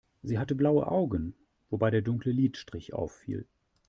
Sie hatte blaue Augen, wobei der dunkle Lidstrich auffiel.